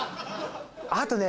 あとね。